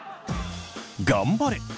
頑張れ！